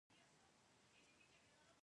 ناوې ولسوالۍ اوبه لري؟